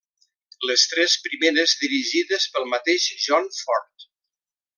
Les tres primeres dirigides pel mateix John Ford.